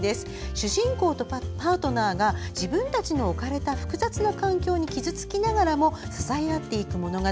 主人公とパートナーが自分たちの置かれた複雑な環境に傷つきながらも支え合っていく物語。